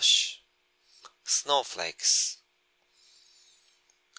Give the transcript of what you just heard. SNOWFLAKES.